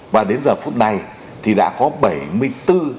và đến giờ phút này thì đã có bảy mươi tỷ đồng